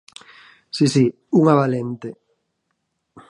Si, si, unha valente.